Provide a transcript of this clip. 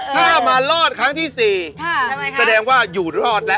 ถ้ามารอดครั้งที่๔แสดงว่าอยู่รอดแล้ว